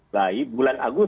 baik bulan agus